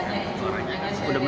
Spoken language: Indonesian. dan yang masih memiliki keuntungan